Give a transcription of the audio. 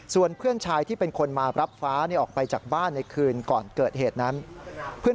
ส่วนเพื่อนชายที่เป็นคนมารับฟ้าออกไปจากบ้านในคืนก่อนเกิดเหตุนั้น